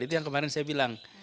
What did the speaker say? itu yang kemarin saya bilang